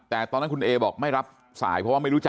แต่ตอนนั้นคุณเอบอกไม่รับสายเพราะว่าไม่รู้จัก